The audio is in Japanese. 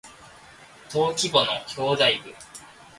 登記簿の表題部